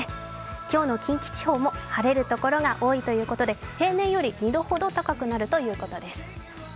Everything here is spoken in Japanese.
今日の近畿地方も晴れるところが多いということで平年より２度ほど高くなるということです。